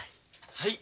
はい。